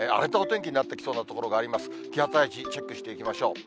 気圧配置、チェックしていきましょう。